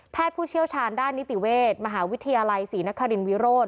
ผู้เชี่ยวชาญด้านนิติเวชมหาวิทยาลัยศรีนครินวิโรธ